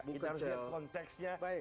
kita harus lihat konteksnya